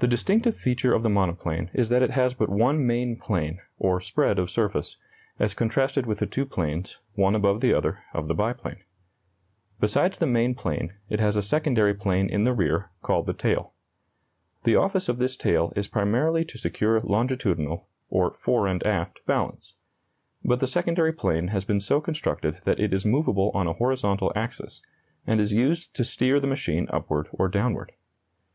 The distinctive feature of the monoplane is that it has but one main plane, or spread of surface, as contrasted with the two planes, one above the other, of the biplane. Besides the main plane, it has a secondary plane in the rear, called the tail. The office of this tail is primarily to secure longitudinal, or fore and aft, balance; but the secondary plane has been so constructed that it is movable on a horizontal axis, and is used to steer the machine upward or downward.